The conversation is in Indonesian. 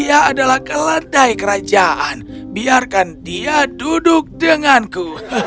dia adalah keledai kerajaan biarkan dia duduk denganku